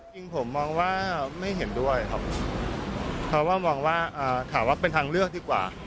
จริงผมมองว่าไม่เห็นด้วยครับเพราะว่ามองว่าถามว่าเป็นทางเลือกดีกว่า